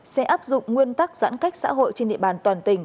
sẽ áp dụng nguyên tắc giãn cách xã hội trên địa bàn toàn tỉnh